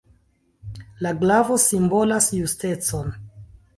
La glavo simbolas justecon.